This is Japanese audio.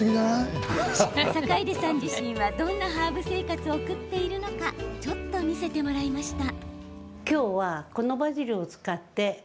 坂出さん自身は、どんなハーブ生活を送っているのかちょっと見せてもらいました。